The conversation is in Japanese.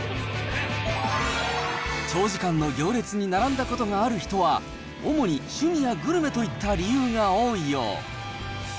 長時間の行列に並んだことがある人は、主に趣味やグルメといった理由が多いよう。